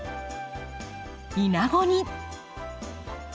イナゴに。